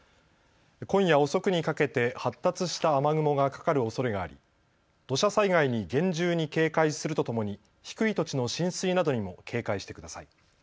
今夜遅くにかけて発達した雨雲がかかるおそれがあり土砂災害に厳重に警戒するとともに低い土地の浸水などにも警戒してください。